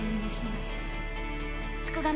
すくがミ